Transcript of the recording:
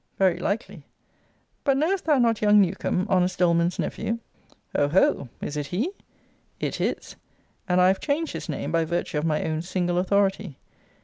Very likely. But knowest thou not young Newcomb, honest Doleman's newphew? O ho! Is it he? It is. And I have changed his name by virtue of my own single authority.